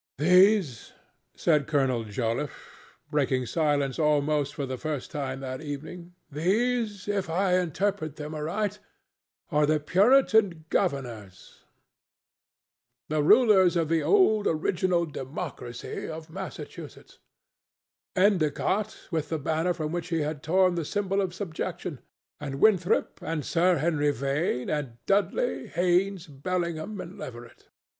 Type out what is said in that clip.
"These," said Colonel Joliffe, breaking silence almost for the first time that evening—"these, if I interpret them aright, are the Puritan governors, the rulers of the old original democracy of Massachusetts—Endicott with the banner from which he had torn the symbol of subjection, and Winthrop and Sir Henry Vane and Dudley, Haynes, Bellingham and Leverett."